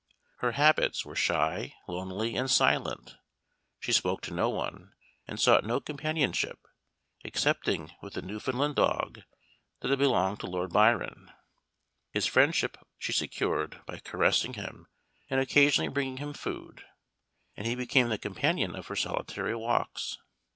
Her habits were shy, lonely, and silent; she spoke to no one, and sought no companionship, excepting with the Newfoundland dog that had belonged to Lord Byron. His friendship she secured by caressing him and occasionally bringing him food, and he became the companion of her solitary walks.